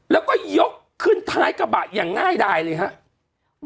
แล้วก็ยกขึ้นท้ายกระบะอย่างง่ายดายเลยครับ